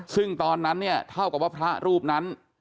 ซึ่งตอนนั้นเนี่ยเท่ากับว่าพระรูปนั้น